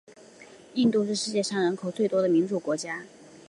印度是世界上人口最多的民主国家。